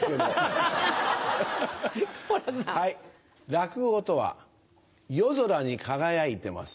落語とは夜空に輝いてます